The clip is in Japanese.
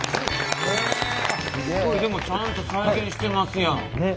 すごいでもちゃんと再現してますやん！